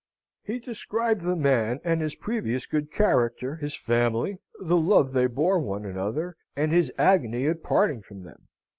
He described the man and his previous good character, his family, the love they bore one another, and his agony at parting from them.